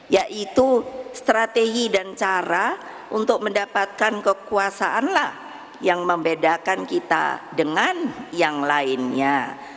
yaitu strategi dan cara untuk mendapatkan kekuasaanlah yang membedakan kita dengan yang lainnya